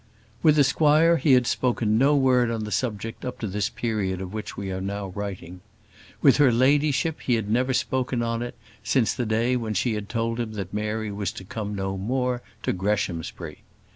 With the squire he had spoken no word on the subject up to this period of which we are now writing. With her ladyship he had never spoken on it since that day when she had told him that Mary was to come no more to Greshamsbury.